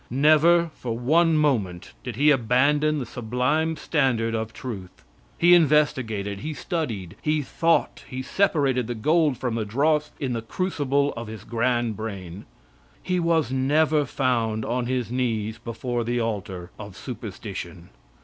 Never, for one moment, did he abandon the sublime standard of truth; he investigated, he studied, he thought, he separated the gold from the dross in the crucible of his grand brain. He was never found on his knees before the altar of superstition.